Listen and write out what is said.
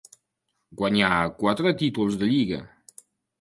Guanyà quatre títols de lliga.